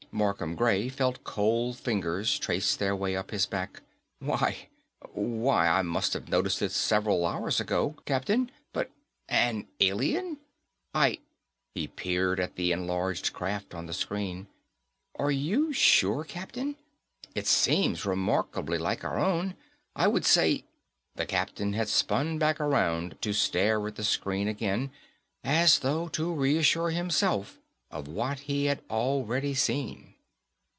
Markham Gray felt cold fingers trace their way up his back. "Why, why, I must have noticed it several hours ago, Captain. But ... an alien!... I...." He peered at the enlarged craft on the screen. "Are you sure, Captain? It seems remarkably like our own. I would say " The captain had spun back around to stare at the screen again, as though to reassure himself of what he had already seen.